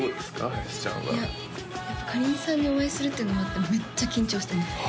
林ちゃんはいやかりんさんにお会いするっていうのもあってめっちゃ緊張してます